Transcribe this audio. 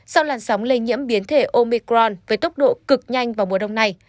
sau làn sóng lây nhiễm biến thể omicron với tốc độ cực nhanh vào mùa đông này